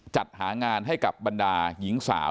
จัดหางานให้กับบรรดาหญิงสาว